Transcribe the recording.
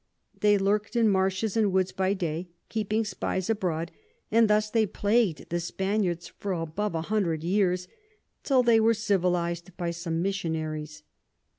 They lurk'd in Marshes and Woods by day, keeping Spies abroad; and thus they plagu'd the Spaniards for above a hundred years, till they were civiliz'd by some Missionaries.